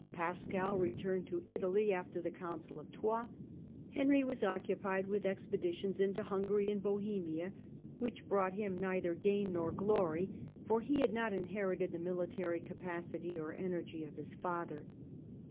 Pascal returned to Italy after the Council of Troyes ; Henry was occupied with expedi tions into Hungary and Bohemia, which brought him neither gain nor glory ; for he had not inherited the military capacity or energy of his father.